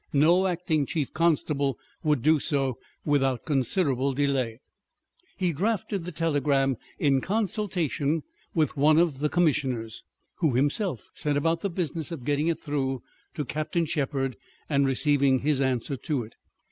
No acting Chief Constable would do so without considerable delay. He drafted the telegram in consultation with one of the commissioners, who himself set about the business of getting it through to Captain Shepherd and receiving his answer to it.